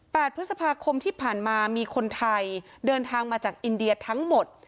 พฤษภาคมที่ผ่านมามีคนไทยเดินทางมาจากอินเดียทั้งหมด